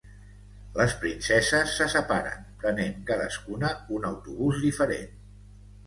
Les princeses se separen, prenent cadascuna un autobús diferent.